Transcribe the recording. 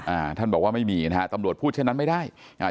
อ่าท่านบอกว่าไม่มีนะฮะตำรวจพูดเช่นนั้นไม่ได้อ่า